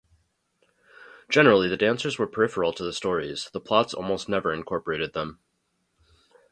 Generally, the dancers were peripheral to the stories; the plots almost never incorporated them.